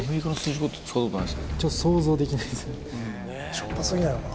しょっぱすぎないのかな